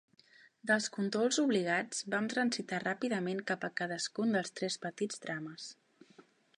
Dels condols obligats vam transitar ràpidament cap a cadascun dels tres petits drames.